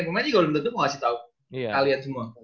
pemain juga udah berdua tuh gak kasih tau kalian semua